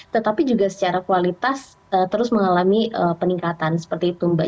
tetapi juga secara kualitas terus mengalami peningkatan seperti itu mbak